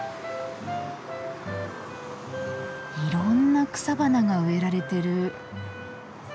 いろんな草花が植えられてる。